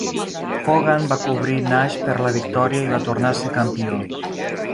Hogan va cobrir Nash per la victòria i va tornar a ser campió.